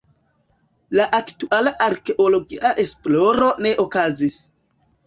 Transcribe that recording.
La aktuala arkeologia esploro ne okazis.